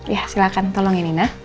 ya silahkan tolong ya nina